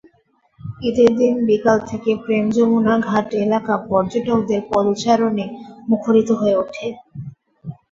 ঈদের দিন বিকেল থেকে প্রেম-যমুনা ঘাট এলাকা পর্যটকদের পদচারণে মুখরিত হয়ে ওঠে।